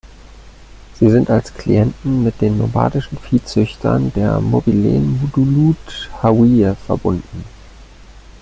Sie sind als „Klienten“ mit den nomadischen Viehzüchtern der Mobileen-Mudulood-Hawiye verbunden.